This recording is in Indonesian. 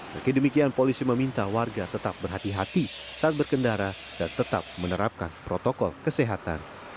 meski demikian polisi meminta warga tetap berhati hati saat berkendara dan tetap menerapkan protokol kesehatan